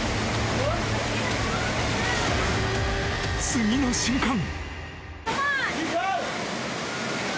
［次の瞬間］